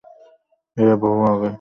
এরা বহু আগে থেকেই আমার কাছে আসতো।